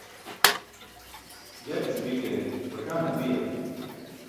Yatis bi ke baṣaan apiya?